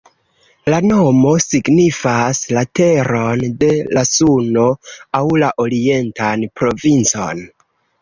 La nomo signifas "la teron de la Suno" aŭ "la orientan provincon.